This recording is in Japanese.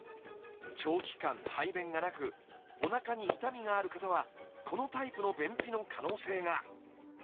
長期間排便がなくおなかに痛みがある方はこのタイプの便秘の可能性が！